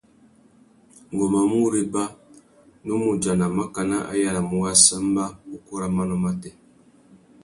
Ngu má mù réba, nnú mù udjana makana a yānamú wāssamba ukú râ manô matê.